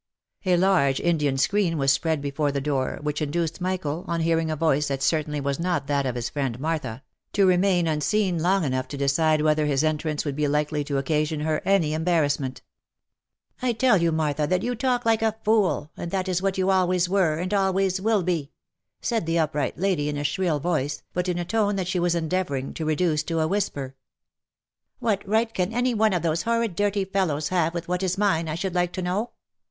A large Indian screen was spread before the door, which induced Michael, on hearing a voice that certainly was not that of his friend Martha, to remain unseen long enough to decide whether his entrance would be likely to occasion her any embarrassment. /<:// '//fy/, t >__Sf//?/ mas, ///yy^ y/" (a/A> ;■<•////'// idon:Pab Cdlburn OF MICHAEL ARMSTRONG. 345 " I tell you, Martha, that you talk like a fool, and that is what you always were, and always will be !" said J;he upright lady, in a shrill voice, but in a tone that she was endeavouring to reduce to a whisper. " What right can any one of these horrid dirty fellows have with what is mine, I should like to know?